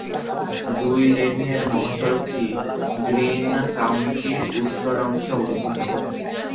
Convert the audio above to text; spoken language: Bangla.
দুই-লেনের মহাসড়কটি গ্রিন কাউন্টির উত্তরাংশে অবস্থিত।